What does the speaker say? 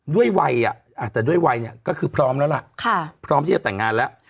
ด้วยวัยแต่ด้วยวัยเนี่ยก็คือพร้อมแล้วล่ะพร้อมที่จะแต่งงานแล้ว